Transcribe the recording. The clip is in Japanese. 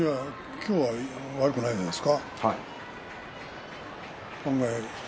今日は悪くないんじゃないですか。